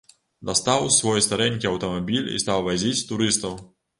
Дастаў свой старэнькі аўтамабіль і стаў вазіць турыстаў.